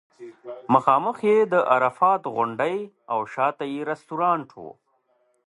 مخامخ یې د عرفات غونډۍ او شاته یې رستورانټ و.